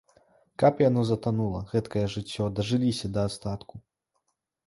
Каб яно затанула, гэткае жыццё, дажыліся да астатку.